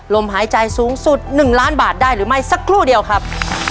ลมหายใจสูงสุด๑ล้านบาทได้หรือไม่สักครู่เดียวครับ